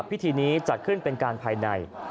พิธีนี้จัดขึ้นเป็นการภายใน